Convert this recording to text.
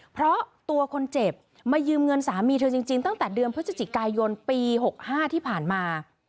เพราะตัวคนเจ็บมายืมเงินสามีเธอจริงตั้งแต่เดือนพฤศจิกายนปี๖๕ที่ผ่านมา